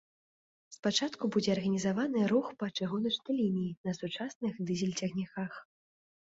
Спачатку будзе арганізаваны рух па чыгуначнай лініі на сучасных дызель-цягніках.